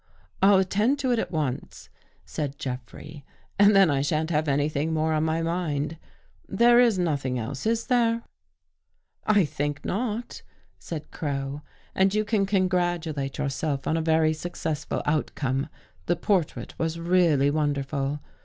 " I'll attend to it at once," said Jeffrey, " and then I sha'n't have anything more on my mind. There is nothing else, is there?" " I think not," said Crow, " and you can congratu late yourself on a very successful outcome. The portrait was really wonderful.